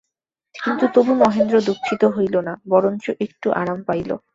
কিন্তু তবু মহেন্দ্র দুঃখিত হইল না, বরঞ্চ একটু আরাম পাইল।